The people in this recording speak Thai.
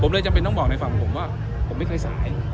เลยจำเป็นต้องบอกในฝั่งของผมว่าผมไม่เคยสาย